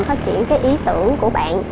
phát triển cái ý tưởng của bạn